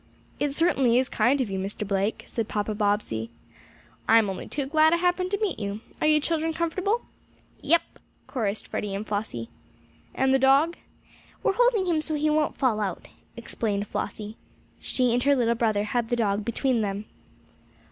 "It certainly is kind of you, Mr. Blake," said Papa Bobbsey. "I'm only too glad I happened to meet you. Are you children comfortable?" "Yep!" chorused Freddie and Flossie. "And the dog?" "We're holding him so he won't fall out," explained Flossie. She and her little brother had the dog between them.